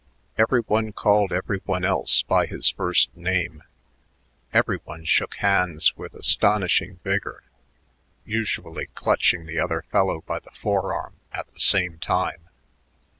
Every one called every one else by his first name; every one shook hands with astonishing vigor, usually clutching the other fellow by the forearm at the same time.